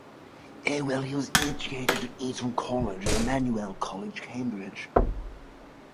He was educated at Eton College and Emmanuel College, Cambridge.